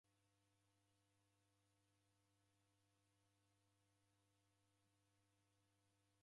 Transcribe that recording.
W'uchunguzi ghwa shekeria elasana risasi ghwaw'iabonywa.